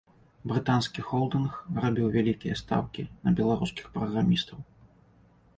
Брытанскі холдынг рабіў вялікія стаўкі на беларускіх праграмістаў.